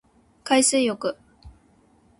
海水浴